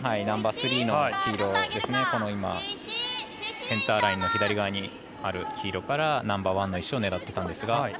ナンバースリーの黄色センターラインの左側にある黄色からナンバーワンの石を狙ってたんですが。